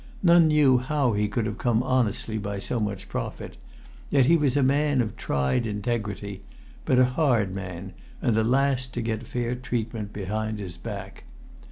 None knew how he could have come honestly by so much profit; yet he was a man of tried integrity, but a hard man, and the last to get fair treatment behind his back.